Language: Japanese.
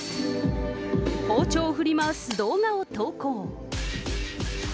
包丁を振り回す動画を投稿。